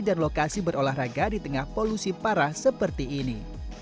dan lokasi berolahraga di tengah polusi parah seperti ini